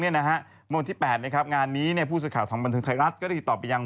เมื่อวันที่๘งานนี้ผู้สื่อข่าวธรรมบันเทิงไทยรัฐก็ได้ตอบไปยัง